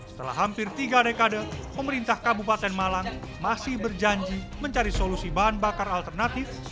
setelah hampir tiga dekade pemerintah kabupaten malang masih berjanji mencari solusi bahan bakar alternatif